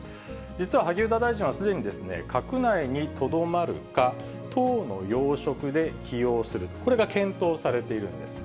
実は、萩生田大臣はすでにですね、閣内にとどまるか、党の要職で起用する、これが検討されているんです。